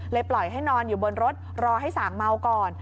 ปล่อยให้นอนอยู่บนรถรอให้สางเมาก่อน